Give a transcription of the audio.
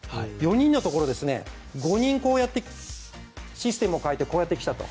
４人のところ５人こうやってシステムを変えてこうやって来たと。